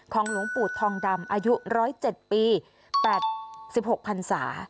หลวงปู่ทองดำอายุ๑๐๗ปี๘๖พันศา